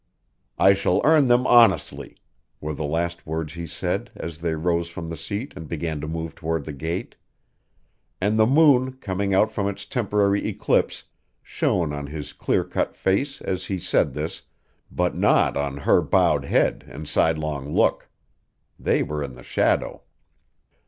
"I shall earn them honestly," were the last words he said, as they rose from the seat and began to move toward the gate. And the moon, coming out from its temporary eclipse, shone on his clear cut face as he said this, but not on her bowed head and sidelong look. They were in the shadow.